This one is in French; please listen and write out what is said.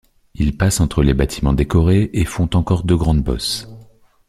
Il passe entre les bâtiments décorés et font encore deux grandes bosses.